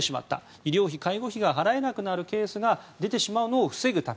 医療費、介護費が払えなくなるケースが出てしまうのを防ぐため。